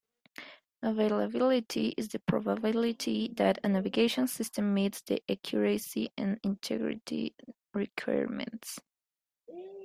Availability is the probability that a navigation system meets the accuracy and integrity requirements.